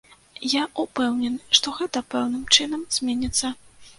Я ўпэўнены, што гэта пэўным чынам зменіцца.